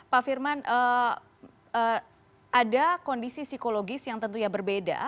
pak firman ada kondisi psikologis yang tentunya berbeda